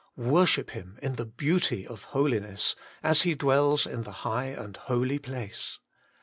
Worship Him in the beauty of holiness, as He dwells in the high and holy place.